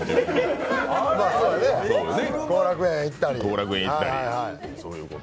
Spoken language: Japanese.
まあね、後楽園行ったり。